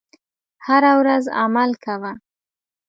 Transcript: هره ورځ عمل کوه .